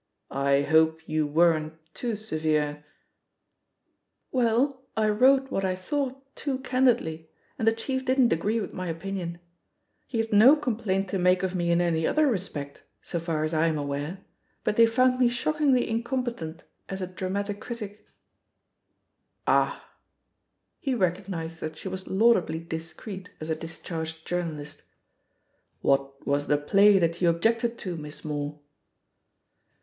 "I hope you weren't too severe?" "Well, I wrote what I thought too candidly, and the chief didn't agree with my opinion. He 208 THE POSITION OF PEGGY HARPER had no complaint to make of me in any other respect, so far as I am aware, but they found me shockingly incompetent as a dramatic critic/' "Ah I" He recognised that she was laudably discreet as a discharged journalist. "What was the play that you objected to. Miss Moore?"